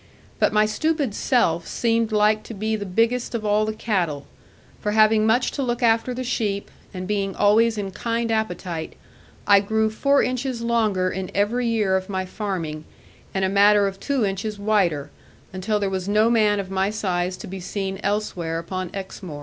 But my stupid self seemed like to be the biggest of all the cattle; for having much to look after the sheep, and being always in kind appetite, I grew four inches longer in every year of my farming, and a matter of two inches wider; until there was no man of my size to be seen elsewhere upon Exmoor.